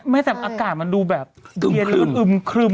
ไม่แต่อากาศมันดูแบบเย็นลื่นอึมครึม